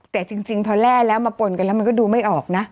แต่จริงเพราะและมาปนกันแล้วมันดูไม่ออกนะ